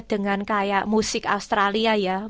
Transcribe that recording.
dengan kayak musik australia ya